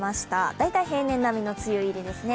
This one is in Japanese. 大体平年並みの梅雨入りですね。